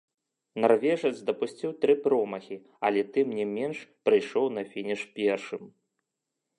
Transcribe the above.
Нарвежац дапусціў тры промахі, але тым не менш прыйшоў на фініш першым.